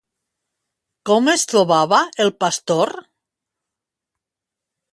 Com es trobava el pastor?